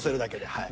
はい。